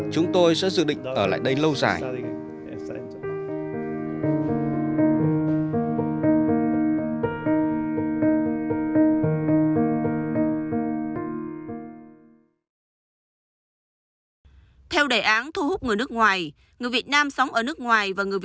chúng tôi sẽ dự định ở lại đây lâu dài